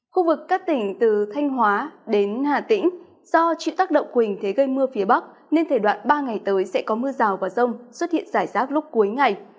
khu vực các tỉnh từ thanh hóa đến hà tĩnh do chịu tác động quỳnh thế gây mưa phía bắc nên thời đoạn ba ngày tới sẽ có mưa rào và rông xuất hiện rải rác lúc cuối ngày